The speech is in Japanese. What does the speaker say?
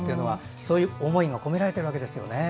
そういう思いが込められているわけですね。